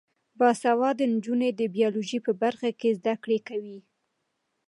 باسواده نجونې د بیولوژي په برخه کې زده کړې کوي.